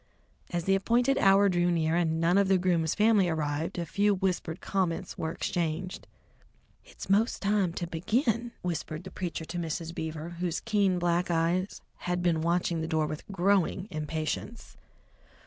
As the appointed hour drew near, and none of the groom's family arrived, a few whispered comments were exchanged. "It's 'most time to begin," whispered the preacher to Mrs. Beaver, whose keen black eyes had been watching the door with growing impatience.